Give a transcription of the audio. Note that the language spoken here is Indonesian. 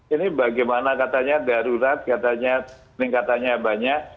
ini bagaimana katanya darurat katanya peningkatannya banyak